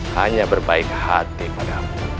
hanya berbaik hati padamu